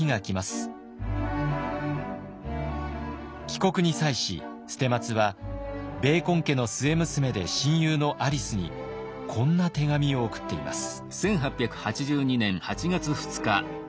帰国に際し捨松はベーコン家の末娘で親友のアリスにこんな手紙を送っています。